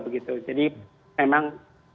begitu jadi memang